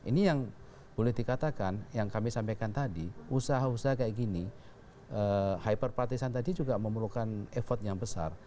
ini yang boleh dikatakan yang kami sampaikan tadi usaha usaha kayak gini hyper partisan tadi juga memerlukan effort yang besar